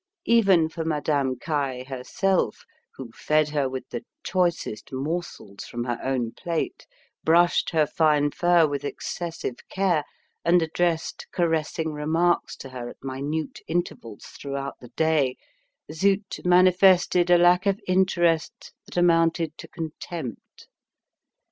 Even for Madame Caille herself, who fed her with the choicest morsels from her own plate, brushed her fine fur with excessive care, and addressed caressing remarks to her at minute intervals throughout the day, Zut manifested a lack of interest that amounted to contempt.